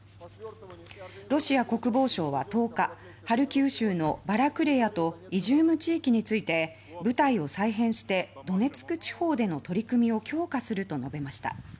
ロシア国防省は１０日ハルキウ州のバラクレヤとイジューム地域について部隊を再編してドネツク地方での取り組みを強化すると述べました。